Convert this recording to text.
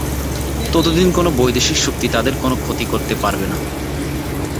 ততদিন কোন বৈদেশিক শক্তি তাঁদের কোন ক্ষতি করতে পারবে না।